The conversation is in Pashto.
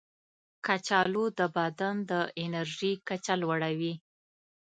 کچالو د بدن د انرژي کچه لوړوي.